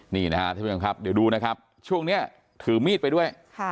นี่นะครับท่านผู้ชมครับเดี๋ยวดูนะครับช่วงนี้ถือมีดไปด้วย